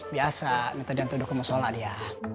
biasa nete dan tudeh kemusola dia